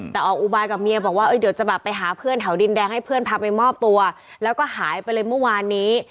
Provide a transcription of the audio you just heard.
แต่ออกอุบายกับเมียบอกว่าเดี๋ยวจะแบบไปหาเพื่อนแถวดินแดงให้เพื่อนพาไปมอบตัวแล้วก็หายไปเลยเมื่อวานนี้